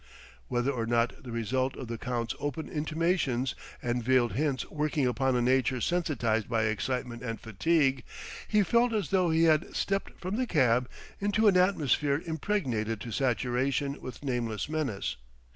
Whether or not the result of the Count's open intimations and veiled hints working upon a nature sensitized by excitement and fatigue, he felt as though he had stepped from the cab into an atmosphere impregnated to saturation with nameless menace.